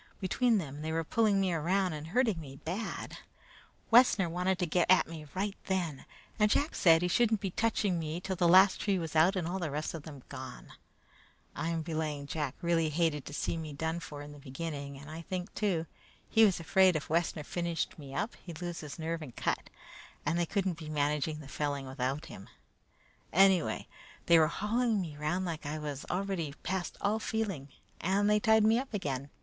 Between them they were pulling me around and hurting me bad. Wessner wanted to get at me right then, and Jack said he shouldn't be touching me till the last tree was out and all the rest of them gone. I'm belaying Jack really hated to see me done for in the beginning; and I think, too, he was afraid if Wessner finished me then he'd lose his nerve and cut, and they couldn't be managing the felling without him; anyway, they were hauling me round like I was already past all feeling, and they tied me up again.